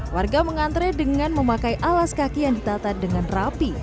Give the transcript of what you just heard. warga mengantre dengan memakai alas kaki yang ditata dengan rapi